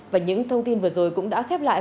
và những thông tin vừa rồi cũng đã khép lại